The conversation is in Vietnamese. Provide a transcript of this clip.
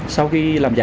sau khi làm giả facebook